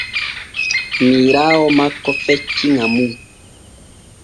Miiraawo makko fecci ŋa mum.